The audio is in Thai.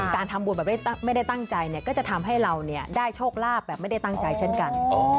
การทำบุญแบบไม่ได้ตั้งใจก็จะทำให้เราได้โชคลาภแบบไม่ได้ตั้งใจเช่นกัน